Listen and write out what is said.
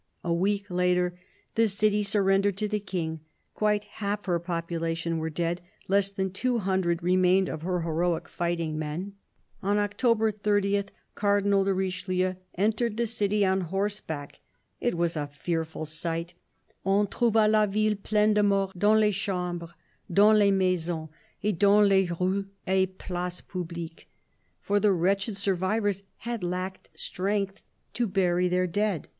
A week later the city sur rendered to the King : quite half her population were dead; less than two hundred remained of her heroic fighting men. 192 CARDINAL DE RICHELIEU On October 30 Cardinal de Richelieu entered the city on horseback. It was a fearful sight. " On trouva la ville pleine de morts, dans les chambres, dans les maisons, et dans les rues et places publiques ;" for the wretched survivors had lacked strength to bury their dead.